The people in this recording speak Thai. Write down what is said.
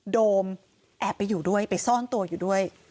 โดมแอบไปอยู่ด้วยไปซ่อนตัวอยู่ด้วย